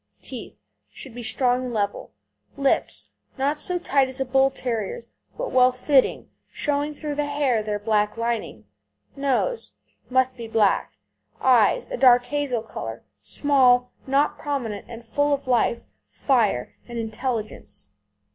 TEETH Should be strong and level. LIPS Not so tight as a Bull terrier's, but well fitting, showing through the hair their black lining. NOSE Must be black. EYES A dark hazel colour, small, not prominent, and full of life, fire, and intelligence.